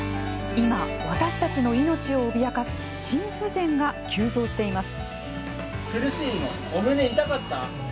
今、私たちの命を脅かす心不全が急増しています。